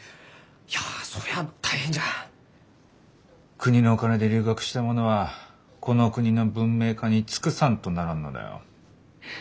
国のお金で留学した者はこの国の文明化に尽くさんとならんのだよ。